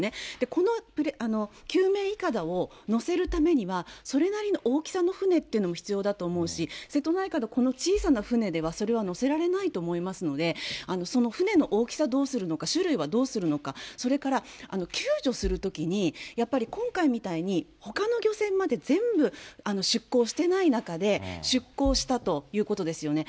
この救命いかだを載せるためには、それなりの大きさの船っていうのも必要だと思うし、瀬戸内海で、この小さな船ではそれはのせられないと思いますので、その船の大きさどうするのか、種類はどうするのか、それから、救助するときに、やっぱり今回みたいに、ほかの漁船まで全部出航してない中で、出航したということですよね。